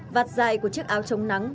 vạt dài của chiếc áo trông nắng